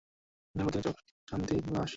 এই ঝারবাতির নীচে পাবে শান্তির লাশ।